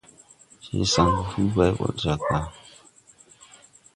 Je saŋgu hu bay ɓay ɓɔd jag gà.